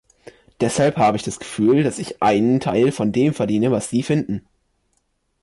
Deshalb habe ich das Gefühl, dass ich einen Teil von dem verdiene, was Sie finden.